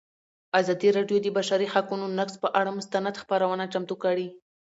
ازادي راډیو د د بشري حقونو نقض پر اړه مستند خپرونه چمتو کړې.